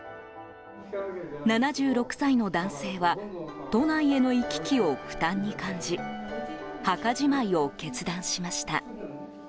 ７６歳の男性は都内への行き来を負担に感じ墓じまいを決断しました。